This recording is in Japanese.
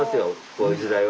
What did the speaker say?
こういう時代は。